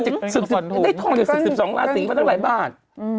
เมื่อก่อนฉันได้ทองยังสึก๑๒ราศีเราได้หลายบ้าน